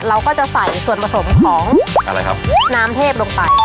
เราก็จะใส่ส่วนผสมของอะไรครับน้ำเทพลงไป